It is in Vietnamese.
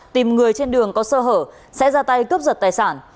tìm người trên đường có sơ hở sẽ ra tay cướp giật tài sản